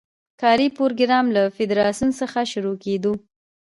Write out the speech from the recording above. کاري پروګرام له فدراسیون څخه شروع کېدو.